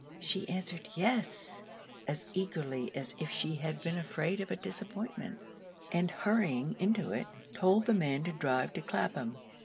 She answered yes, as eagerly as if she had been afraid of a disappointment; and hurrying into it, told the man to drive to Clapham.